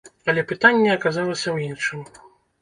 Але пытанне аказалася ў іншым.